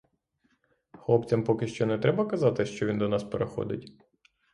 Хлопцям поки що не треба казати, що він до нас переходить?